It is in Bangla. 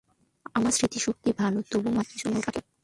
আমার স্মৃতিশক্তি ভালো, তবু মাঝে-মাঝে কিছু নোট রাখি।